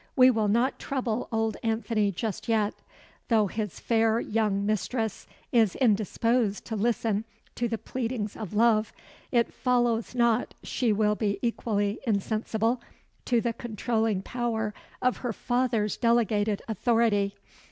"We will not trouble old Anthony just yet. Though his fair young mistress is indisposed to listen to the pleadings of love, it follows not she will be equally insensible to the controlling power of her father's delegated authority.